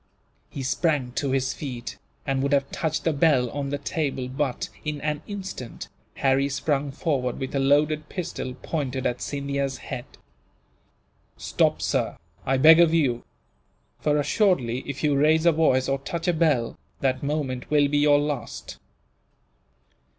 He sprang to his feet, and would have touched the bell on the table but, in an instant, Harry sprung forward with a loaded pistol, pointed at Scindia's head. "Stop, sir, I beg of you; for assuredly, if you raise a voice or touch a bell, that moment will be your last."